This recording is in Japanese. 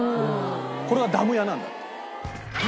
これがダム屋なんだって。